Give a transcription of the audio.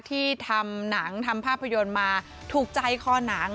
ที่ทำหนังทำภาพยนตร์มาถูกใจคอหนัง